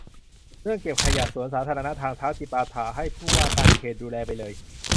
เรื่องเก็บขยะ สวนสาธารณะ ทางเท้า จิปาถะ ให้ผู้ว่าการเขตดูแลไปเลย